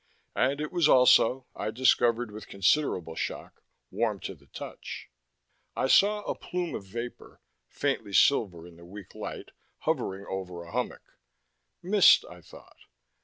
And it was also, I discovered with considerable shock, warm to the touch. I saw a plume of vapor, faintly silver in the weak light, hovering over a hummock. Mist, I thought.